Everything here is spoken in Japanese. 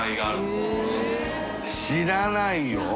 知らない。